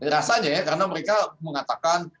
rasanya ya karena mereka mengatakan